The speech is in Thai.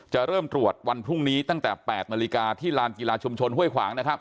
เริ่มตรวจวันพรุ่งนี้ตั้งแต่๘นาฬิกาที่ลานกีฬาชุมชนห้วยขวางนะครับ